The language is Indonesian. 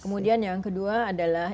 kemudian yang kedua adalah